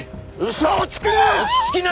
嘘をつくな！